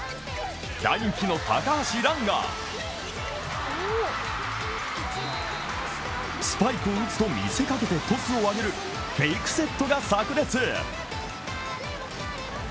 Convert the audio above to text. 大人気の高橋藍がスパイクを打つと見せかけてトスを上げるフェイクセットがさく裂。